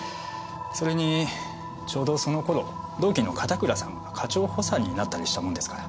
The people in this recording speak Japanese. それにちょうどその頃同期の片倉さんが課長補佐になったりしたもんですから。